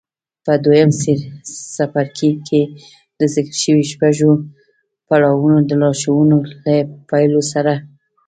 په دويم څپرکي کې د ذکر شويو شپږو پړاوونو د لارښوونو له پيلولو سره.